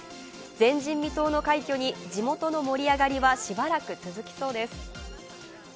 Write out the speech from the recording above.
前人未到の快挙に地元の盛り上がりはしばらく続きそうです。